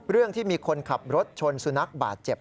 เรื่องที่มีคนขับรถชนสุนัขบาดเจ็บ